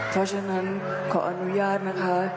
เพราะฉะนั้นขออนุญาตนะคะ